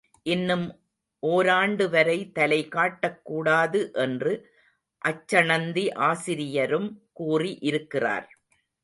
இன்னும் ஓராண்டுவரை தலை காட்டக் கூடாது என்று அச்சணந்தி ஆசிரியரும் கூறி இருக்கிறார்.